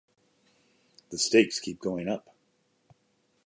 The stakes keep going up.